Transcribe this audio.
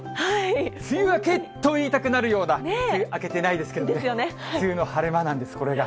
梅雨明けと言いたくなるような、梅雨明けてないですけど、梅雨の晴れ間なんです、これが。